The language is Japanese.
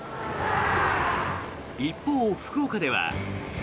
一方、福岡では。